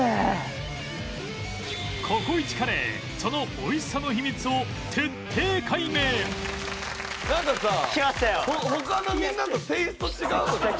ココイチカレーそのおいしさの秘密を徹底解明！なんかさ他のみんなとテイスト違くない？